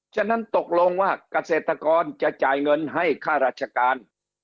ฉะนั้นตกลงว่าเกษตรกรจะจ่ายเงินให้ค่าราชการ